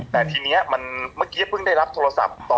แต่ทีนี้มันเมื่อกี้เพิ่งได้รับโทรศัพท์